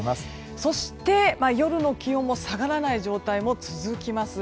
そして、夜の気温も下がらない状態も続きます。